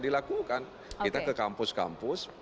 dilakukan kita ke kampus kampus